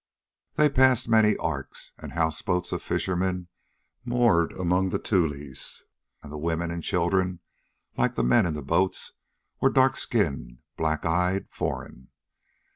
They passed many arks and houseboats of fishermen moored among the tules, and the women and children, like the men in the boats, were dark skinned, black eyed, foreign.